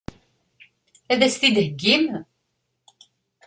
Ad as-t-id-theggim?